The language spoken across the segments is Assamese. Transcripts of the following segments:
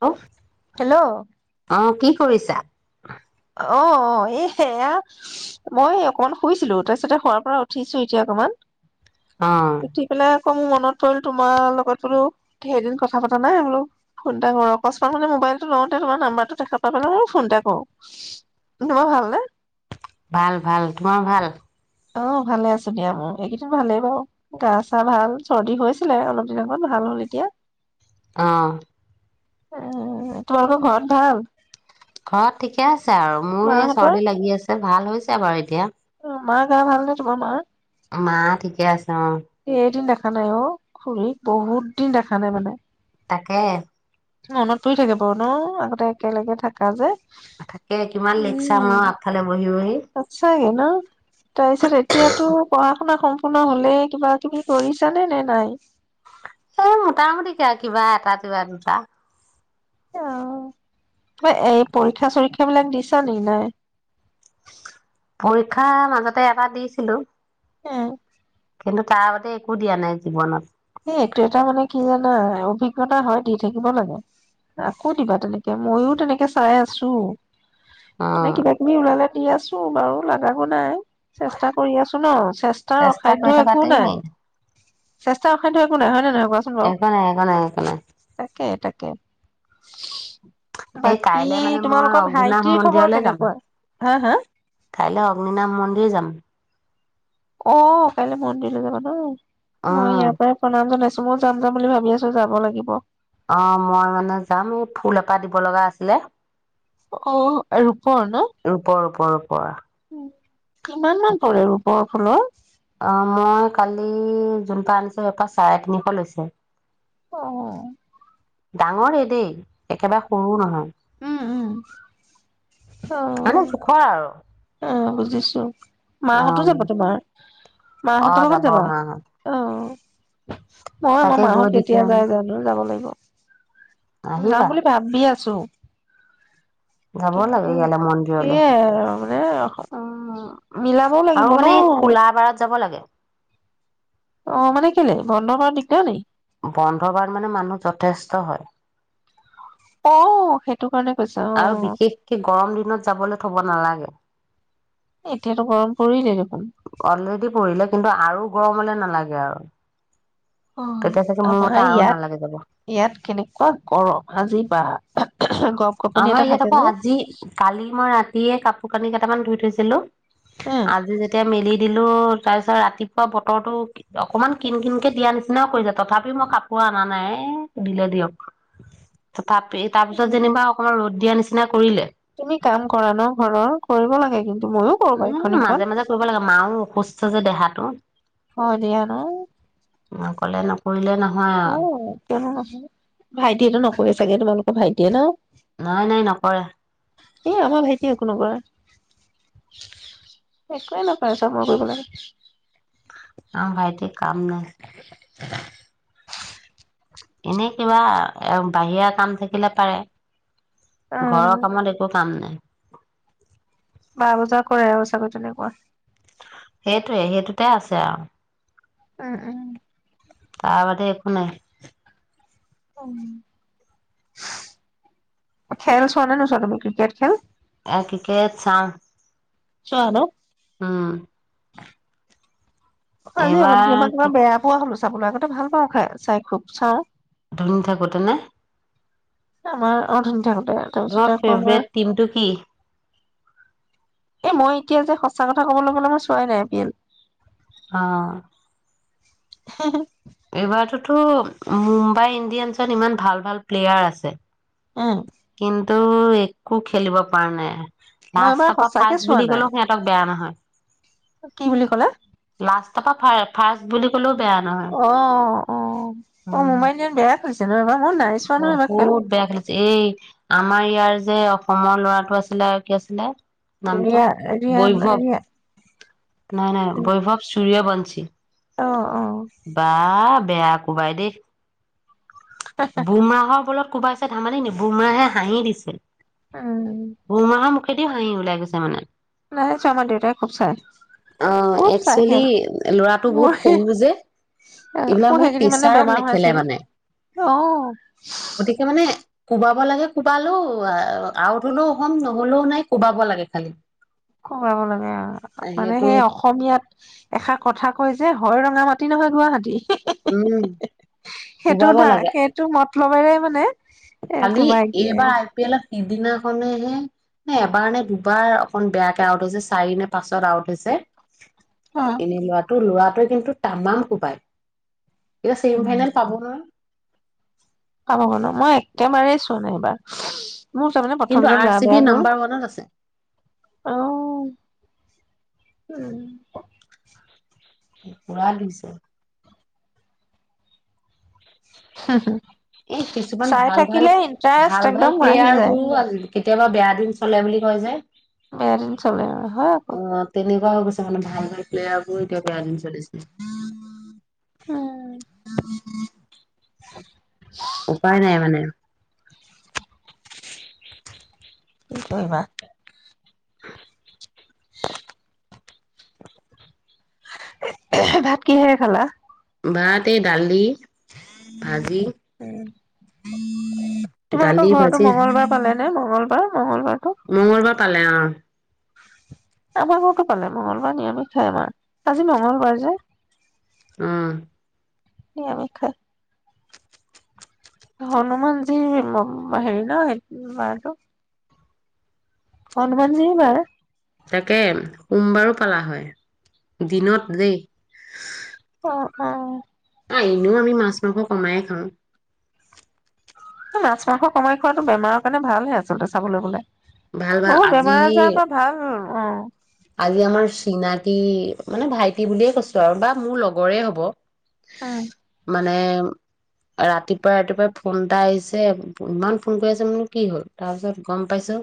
হেল্ল' হেল্ল' অ অ কি কি কৰিছা । অ অ এই সেয়া মই অকণ শুইছিলো তাৰপিছতে শুৱোৱাৰ পৰা উঠিছো এতিয়া অকমান অ । উঠি পেলে । অ মোৰ মনত পৰিল তোমাৰ লগত বোলো ধেৰ দিন কথা পতা নাই বোলো, ফোন এটা কৰো অকস্মাৎ মানে মোবাইল টো লওঁতে তোমাৰ নাম্বাৰটো দেখা পালো নহয় ফোন এটা কৰো । তোমাৰ ভালনে? ভাল ভাল তোমাৰ ভাল । অ ভালে আছো দিয়া মোৰ এইকেইদিন ভালেই বাৰু গা চা ভাল । চৰ্দি হৈছিলে অলপ দিন আগত ভাল হ'ল এতিয়া । অহ। উ তোমালোকৰ ঘৰত ভাল । ঘৰত ঠিকে আছে আৰু মোৰো এই মাহঁতৰ চৰ্দি লাগি আছে । ভাল হৈছে বাৰু এতিয়া । মা গা ভাল নে তোমাৰ মাৰ? মা ঠিকে আছে অ সেইদিনা দেখা নাই অ খুৰী বহুত দিন দেখা নাই মানে তাকেহে মনত পৰি থাকে বাৰু ন আগতে একেলগে থাকা যে তাকে কিমান লেকচাৰ উম আৰু আগফালে বহি বহি আহ তাৰপিছত এতিয়াতো পঢ়া শুনা সম সম্পুৰ্ণ হলে কিবা কিবি কৰিছানে নে নাই এ মোটামুটি কিবা এটা কিবা দুটা অ কিবা এই পৰীক্ষা চৰীক্ষা বিলাক দিছা নে নাই পৰীক্ষা মাজতে এটা দিছিলো আহ কিন্তু তাৰ আগতে একো দিয়া নাই জীৱনত এই এইটো এটা মানে কি জানা অভিজ্ঞতা হয় দি থাকিব লাগে আকৌ দিবা তেনেকে মইও তেনেকে চাই আছো অ মানে কিবা কিবি ওলালে দি আছো মোৰ বাৰু লাগাটো নাই চেষ্টা কৰি আছো ন চেষ্টাৰ চেষ্টা অসাধ্য কৰি একো থকাটোৱে নাই। মেইন চেষ্টা চেষ্টা অখাদ্য একো নাই হয় নে নহয় একোনাই একোনাই একোনাই তাকে তাকে এই বাকী কাইলৈ মানে মই তোমালোকৰ অগ্নিনাশ ভাইটিৰ খবৰ মন্দিৰলৈ যাম, কেনেকুৱা? হা হা? কাইলৈ অগ্নিনাশ মন্দিৰ যাম অ কাইলৈ মন্দিৰলৈ যাবা ন? মই অ ইয়াৰ পৰাই প্ৰনাম জনাইছো মই যাম যাম বুলি ভাবি আছো যাব লাগিব অ মই মানে যাম ফুল এপাহ দিব লগা আছিলে অ ৰূপৰ ন? ৰূপৰ ৰূপৰ ৰূপৰ কিমাননো পৰে ৰূপৰ ফুলৰ? অ মই কালি যোনপা আনিছো সেইপা চাৰে তিনিশ লৈছে। অহ ডাঙৰে দেই একেবাৰে সৰু নহয়। উম উম। মানে অ' জোখৰ আৰু। অ বুজিছো। মাহঁতো অ', যাব তোমাৰ মাহঁতৰ অ', লগত যাব মাহঁত যাবা‌।অহ মই আমাৰ তাকে গৈ মাহত দি থৈ কেতিয়া আহিম যাই যানো যাব লাগিব যাম আহিবা বুলি ভাবি ছু যাব লাগে কিন্তু ইয়ালে মন্দিৰলে সেয়াই আৰু এ অ মিলাবও আৰু লাগিব ন। মানে এই খোলা বাৰত যাব লাগে অহ মানে কেলে বন্ধ বাৰ নেকি দিও নি বন্ধ বাৰ মানে মানুহ যথেষ্ট হয়। অ সেইটো কাৰণে কৈছা অ আৰু বিশেষকে গৰম দিনত যাবলৈ থব নালাগে। এতিয়াতো গৰম পৰিলেই দেখোন অলৰেডি পঢ়িলে কিন্তু আৰু গৰমলৈ নালাগে আৰু অ তেতিয়া চাগে মোৰ আমাৰ মতে আৰু ইয়াত নালাগে যাব ইয়াত কেনেকুৱা গৰম আজি বা গপ গপনি আমাৰ এটা ইয়াত থাকে আকৌ যে আজি কালি মই ৰাতিয়ে কাপ শুকানী কেইটামান ধই থৈছিলো হে আজি যেতিয়া মেলি দিলো তাৰপিছত ৰাতিপুৱা বতৰটো অকমান কিন কিনকে দিয়া নিচিনাও কৰি যায় তথাপিও মই কাপোৰ অনা নাই এ দিলে দিয়ক। তাপি ত যেনিবা অকমান ৰদ দিয়া নিচনা তুমি কাম কৰা ন ঘৰৰ কৰিব লাগে কিন্তু ময়ো এ কৰোবাৰু এইখন মাজে সিখন। মাজে কৰিব লাগে মাও অসুস্থ যে দেহাটো অ দিয়া ন অকলে নকৰিলে নহয় আৰু অহ ভাইটিয়টো নকৰে চাগে তোমালোকৰ ভাইটিয়ে ন? নাই নাই নকৰে। এ আমাৰ ভাইটি একো নকৰে একোৱেই নকৰে চাপ মই কৰিব লাগে। আমাৰ ভাইটিৰ [unintelligible] এনে কিবা এ বাহিৰা কাম থাকিলে পাৰে অ ঘৰৰ কামত একো কাম নাই বাৰ বজাত কৰে ব চাগৈ তেনেকুৱা সেইটোৱে সেইটোতে আছে আও উম উম তাৰ বাদে একো নাই খেল চোৱা ন নোছোৱা তুমি ক্ৰিকেট খেল আহ ঠিকেই চাওঁ চোৱা ন ওম আজি অলপ দিনৰ পৰা কিবা বেয়া পোৱা হৈছে। চাবলৈ আগতে ভাল পাওঁ খাই চাই খুব চাওঁ দুদিন থাকোঁতেনে। আমাৰ অথনিতে হ'ল ধৰা ফেভৰেট টিমটো কি? এ মই এতিয়া যে সঁচা কথা কবলৈ গ'লে মই চোৱাই নাই আই পি এল অ ' হে - হে এইবাৰতোতো মুম্বাই ইণ্ডিয়ানছত ইমান ভাল ভাল প্লেয়াৰ আছে। অ' তো একো খেলিব পৰা নাই। মই এইবাৰ লাষ্টৰ পৰা সঁচাকে ফাৰ্চ চোৱা বুলি নাই ক'লেও সিহঁতক বেয়া নহয়। কি বুলি ক'লে? লাষ্টৰ পৰা ফাৰ্চ বুলি ক'লেও বেয়া নহয় অ -অ -অ উম মোম্বাই দন বেয়া হৈছে নহয় বা । বহুত বেয়া খেলিছে এই আমাৰ ইয়াৰ যে অসমৰ ল'ৰাটো আছিলে কি আছিলে নামটো ৰিয়া ৰিয়া বৈভৱ ৰিয়া নাই -নাই বৈভৱ সূৰ্য্যবংশী চি অ ' অ ' বেয়া কোবাই দেই বোমৰাাহৰ বলত কোবাইছে ধেমালী নেকি বুমৰাহে হাঁহি দিছিল উম, সেইটো হাঁহি ওলাই গৈছে মানে। নাই চোৱা আমাৰ দেউতাই খুব চাই অ খুব চাই একচুৱেলি খেল ল'ৰাটো বহুত মোৰ সৰু যে এইবিলাক মোৰ মানে সেইকেইদিন প্ৰেচাৰত বেমাৰ হৈ নেখেলে আছিল মানে। অ' গতিকে মানে কোবাব লাগে কোবালেও আউট হলেও হম নহলেও নাই কোবাব লাগে খালি। অ ' মানে সেইটো সেই অসমীয়াত এষাৰ কথা কয় যে হয় ৰঙা মাটি ৰঙামাটি নহয় গুৱাহাটী উম সেইটো কোবাব না লাগে সেইটো মতলবেৰে মানে এ খালি কোবাই এই দিয়ে বাৰ আই পি এলত সিদিনাখনেহে নে এবাৰ নে দুবাৰ অকন বেয়াকে আউট হৈছে চাৰি নে পাছত আউট হৈছে। এনেই লোৱাটো লোৱা কিন্তু তামাম কোবাই। এতিয়া ছেমি উম ফাইনেল পাব নহয়! পাব ব নো [unintelligible] মই একেবাৰেই চোৱা নাই এইবাৰ। মোৰ তাৰমানে প্ৰথম কিন্তু যে, আৰ চি বি গা'বেয়াবোৰ নাম্বাৰ ওৱানত আছে আহ, উম, পুৰা দিছে। এই কিছুমান চাই ভাল ভাল থাকিলে ভাল ইণ্টাৰেষ্ট ভাল একদম বাঢ়ি প্লেয়াৰ যায়। বোৰো কেতিয়াবা বেয়া দিন চলে বুলি কয় যে। বেয়া দিন চলে ন হয় আক অ হৈ তেনেকুৱা গৈছে মানে ভাল ভাল প্লেয়াৰ বোৰো এতিয়া বেয়া দিন চলিছে। উম, [inaudible] উপায় নাই মানে। কি কৰি বা? [inaudible] [inaudible] ভাত কিহেৰে খালা? ভাত এই দালি ভাজি দালি তোমালোকৰ ঘৰতটো ভাজি মঙ্গলবাৰ পালে নে? মংগলবাৰ মঙ্গলবাৰতটো? মংগলবাৰ পালে অ', আমাৰ ঘৰকো পালে মঙ্গলবাৰ নিয়মিষ খাই আমাৰ, আজি মঙ্গলবাৰ যে! উম নিৰামিষ খাই হনুমানজি হেৰি ন মানটো হনুমান যিৰ বাৰ। তাকে সোমবাৰো পালা হয় দিনত দেই। অ', -অ', অ', এনেও আমি মাছ মাংস কমাই খাওঁ। মাছ মাংস কমাই খোৱাতটো বেমাৰৰ কাৰণে ভালহে আচলতে চাবলৈ গলে। ভাল ভাল অ', বেমাৰ আজি আজাৰৰ পৰা ভাল। অ, আজি আমাৰ চিনাকী মানে ভাইটি বুলিয়ে কৈছো আৰু বা মোৰ লগৰে হব। উম, মানে? ৰাতিপুৱাই ৰাতিপুৱাই ফোন এটা আহিছে ইমান ফোন কৰি আছে। মনে কি হ'ল? তাৰপিছত গম পাইছো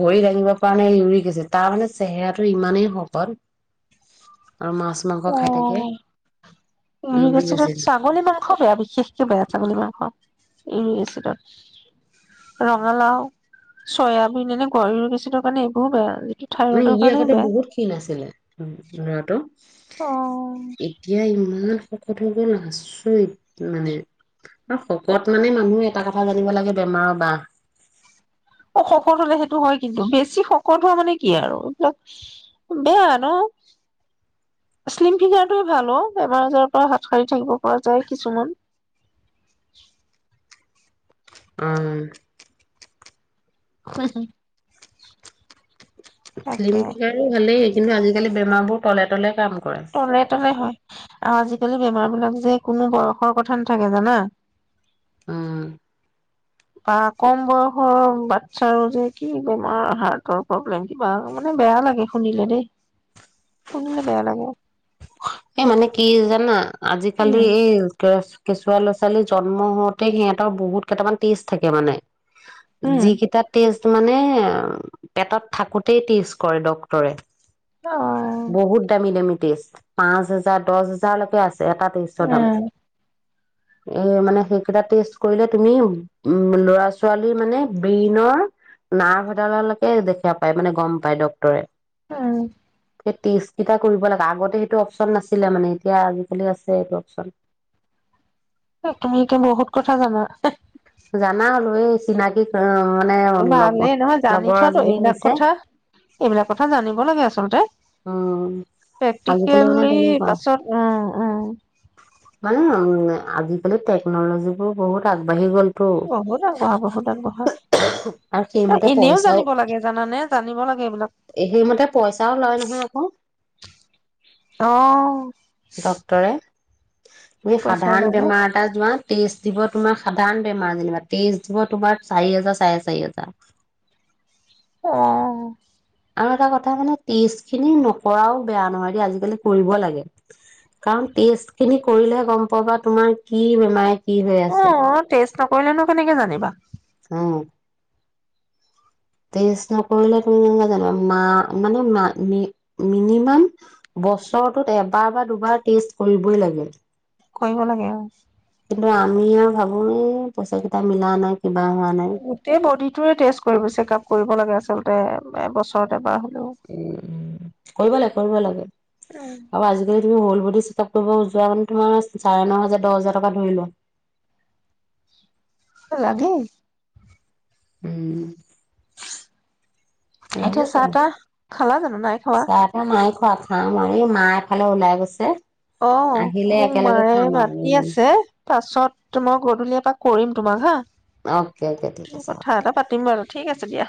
ভৰি দাঙিবৰ কাৰণে ইউৰিক এচিড তাৰমানে চেহেৰাটো ইমানেই শকত। আৰু মাছ মাংস খাই থাকে অ', ইউৰিক এচিডত ছাগলী মাংস বেয়া বিশেষকে বেয়া ছাগলী মাংস। ইউৰিক এচিডত ৰঙালাও, চয়াবিন এনেকৈ ইউৰিক এচিডৰ কাৰণে এইবোৰো বেয়া। যিটো মানে থাইৰইডৰ ই কাৰণেও আগতে বেয়া। বহুত ক্ষীণ আছিলে লৰাতটো। অ'। এতিয়া ইমান শকত হৈ গল আচৰিত মানে আৰু শকত মানে মানুহে এটা কথা জানিব লাগে বেমাৰৰ বাহ। অ', শকত হলে সেইটো হয় কিন্তু বেছি শকত হোৱা মানে কি আৰু এইবিলাক বেয়া ন শ্লিম ফিংগাৰটোৱে ভাল অ', বেমাৰ আজাৰৰ পৰা হাত সাৰি থাকিব পৰা যায় কিছুমান। উম হয় ফিল্ম ফিগাৰো ভালেই কিন্তু আজিকালি বেমাৰবোৰ তলে তলে কাম কৰে। তলে তলে হয় আৰু আজিকালি বেমাৰ বিলাক যে কোনো বয়সৰ কথা নাথাকে জানা উম। বা কম বয়সৰ বাচ্ছাৰো যে কি বেমাৰ হাৰ্টৰ প্ৰব্লেম কিবা মানে বেয়া লাগে শুনিলে দেই শুনিলে বেয়া লাগে এ মানে কি জানা আজিকালি উম এই কেছ কেঁচুৱা ল'ৰা ছোৱালী জন্ম হওঁতে সিহঁতৰ বহুত কেইটামান টেষ্ট থাকে মানে উম যি কেইটা টেষ্ট মানে পেটত থাকোতেই টেষ্ট কৰে ডক্টৰে অ বহুত দামী দামী টেষ্ট পাঁচ হাজাৰ দশ হাজাৰ লৈকে আছে এটা টেষ্টৰ দাম উম এ মানে সেইকেইটা টেষ্ট কৰিলে তুমি উম লৰা ছোৱালীৰ মানে ব্ৰেইনৰ নাৰ্ভ এডালালৈকে দেখা পায় মানে গম পায় ডাক্তৰে উম সেই টেষ্ট কেইটা কৰিব লাগে আগতে এইটো অপচন নাছিলে মানে এতিয়া আজিকালি আছে এইটো অপচন তুমি মোতকে বহুত কথা জানা জানা হলো এই চিনাকি পাওঁ ভালেই নহয় জানি থোৱাতটো এইবিলাক হৈছে কথা এইবিলাক কথা জানিব লাগে আচ আচলতে উম আজিকালি মানে প্ৰেক্টিকেলি তেনেকুৱা পাছত উম উম মানে উম আজিকালি টেকন'লজি বোৰ বহুত আগবাঢ়ি গ'ল বহুত আগবঢ়া বহুত আগবঢ়া আৰু তে সেইমতে এনেও পইচাও জানিব লাগে জানানে জানিব লাগে এইবিলাক সেইমতে পইচাও লয় নহয় আকৌ অহ ডক্তৰে তুমি সাধাৰণ বেমাৰ এটা যোৱা টেষ্ট দিব তোমাৰ সাধাৰণ বেমাৰ যেনিবা টেষ্ট দিব তোমাৰ চাৰি হোজাৰ চাৰে চাৰি হাজাৰ। অহ আৰু এটা কথা মানে টেষ্ট খিনি নকৰাও বেয়া নহয় দ আজিকালি কৰিব লাগে কাৰণ টেষ্ট খিনি কৰিলেহে গম পাব বা তোমাৰ কি বেমাৰ কি হৈ অ আছে টেষ্ট নকৰিলেনো কেনেকে জানিবা। অ টেষ্ট নকৰিলে তুমি জানা মানে মিনিমাম বছৰটোত এবাৰ বা দুবাৰ টেষ্ট কৰিবই লাগে। কৰিব লাগে আৰু কিন্তু আমি আৰু ভাবো এই পইচা কেইটা মিলা নাই কিবা হোৱা নাই গোটেই বডিটো টেষ্ট কৰিব চেকাপ- কৰিব লাগে আচলতে বছৰত এবাৰ হ'লে উম কৰিব লাগে কৰিব লাগে আ আজি কালি তুমি হ'ল বডি চেকআপ কৰিব যোৱা মানে তোমাৰ চাৰে ন হাজাৰ দহ হাজাৰ টকা ধৰি লোৱা অ লাগে উম এতিয়া লাগিব চাহ তাহ খালা জানো নাই খালা চাহ তাহ নাই খোৱা খাম আৰু মা এফালে ওলাই গৈছে অ আহিলে মোক একেলগে মায়ে খাম মাতি আৰু আছে পাছত মই গধূলি এপাক কৰিম তোমাক হা অ'কে অ'কে ঠিক আছে হ'ব কথা এটা পাতিম বাৰু ঠিক আছে দিয়া।